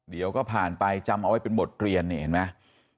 เดี๋ยวก็ผ่านไปจำเอาไว้เป็นบทเรียนนี่เห็นไหม